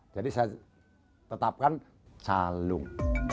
jadi saya tetapkan celung